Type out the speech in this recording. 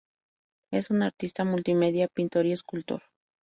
Es un artista multimedia, pintor y escultor.